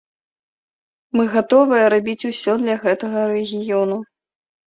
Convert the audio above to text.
Мы гатовыя рабіць усё для гэтага рэгіёну.